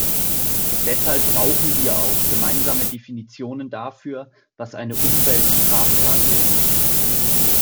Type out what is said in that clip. Deshalb brauchen wir auch gemeinsame Definitionen dafür, was eine Umweltstraftat ist.